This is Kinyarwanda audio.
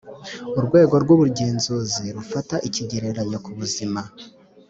Urwego rw Ubugenzuzi rufata ikigereranyo ku buzima